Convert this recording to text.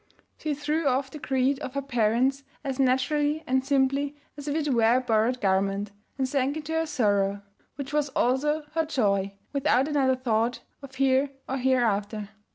She threw off the creed of her parents as naturally and simply as if it were a borrowed garment, and sank into her sorrow, which was also her joy, without another thought of here or hereafter.